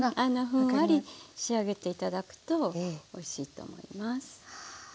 ふんわり仕上げて頂くとおいしいと思います。